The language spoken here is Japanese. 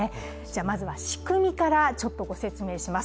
まずは仕組みからご説明します。